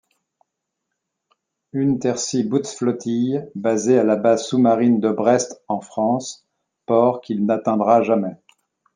Unterseebootsflottille basée à la base sous-marine de Brest en France, port qu'il n'atteindra jamais.